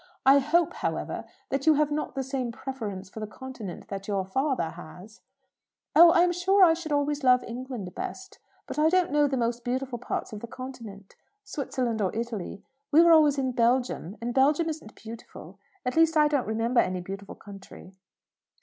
I hope, however, that you have not the same preference for the Continent that your father has?" "Oh, I'm sure I should always love England best. But I don't know the most beautiful parts of the Continent Switzerland or Italy. We were always in Belgium, and Belgium isn't beautiful. At least I don't remember any beautiful country."